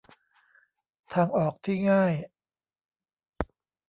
ทางออกที่ง่าย